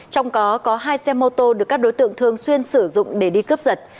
trong có có hai xe mô tô được các đối tượng thường xuyên sử dụng để đi cấp giật